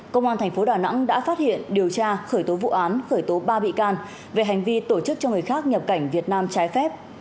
công an thành phố đà nẵng đã phát hiện điều tra khởi tố vụ án khởi tố ba bị can về hành vi tổ chức cho người khác nhập cảnh việt nam trái phép